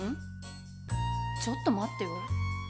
ちょっと待ってよ。